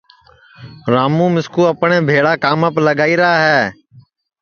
راموں مِسکُو اپٹؔے بھیݪا کاماپ لگائیرا ہے